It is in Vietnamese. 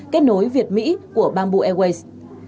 kết nối việt mỹ của bamboo airways